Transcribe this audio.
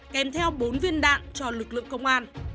kèm theo bốn viên đạn cho lực lượng công an